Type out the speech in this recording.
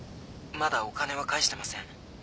まだお金は返してません。